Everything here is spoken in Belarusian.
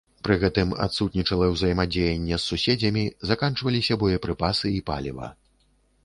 Пры гэтым адсутнічала ўзаемадзеянне з суседзямі, заканчваліся боепрыпасы і паліва.